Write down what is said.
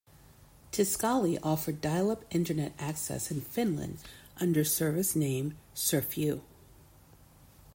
Tiscali offered dial-up Internet access in Finland under service name "Surfeu".